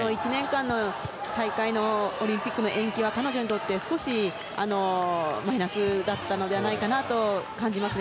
この１年間のオリンピックの大会の延期は彼女にとって少しマイナスだったのではないかなと感じますね。